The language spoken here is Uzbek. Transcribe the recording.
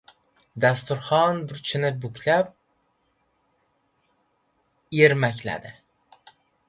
Dasturxon burchini buklab ermakladi.